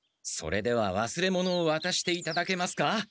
それではわすれ物をわたしていただけますか？